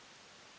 akan menerima uang